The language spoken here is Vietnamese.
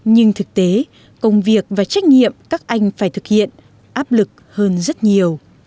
nhưng thực tế công việc và trách nhiệm các anh phải thực hiện áp lực hơn rất nhiều